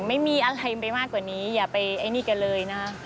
ไม่มีอะไรไปมากกว่านี้อย่าไปไอ้นี่กันเลยนะ